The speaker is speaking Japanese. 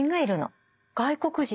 外国人？